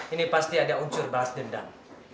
ini pasti ada unsur bahas dendam